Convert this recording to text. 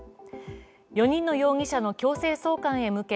４人の容疑者の強制送還へ向け